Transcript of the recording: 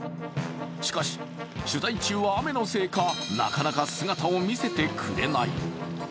しかし、取材中は雨のせいか、なかなか姿を見せてくれない。